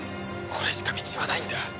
これしか道はないんだ。